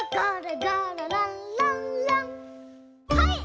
はい！